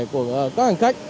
của các hành khách